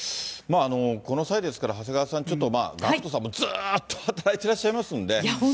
この際ですから、長谷川さん、ちょっとＧＡＣＫＴさんも、ずーっと働いてらっしゃいますので。